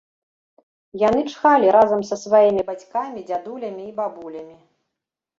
Яны чхалі разам са сваімі бацькамі, дзядулямі і бабулямі.